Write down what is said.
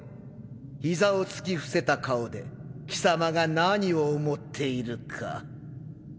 膝をつき伏せた顔で貴様が何を思っているか。